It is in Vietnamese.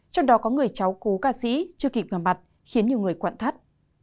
trong đó có người cháu cố ca sĩ chưa kịp ngầm mặt khiến nhiều người quạn thắt